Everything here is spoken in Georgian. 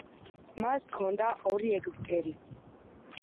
მას ჰქონდა ორი ეგვტერი.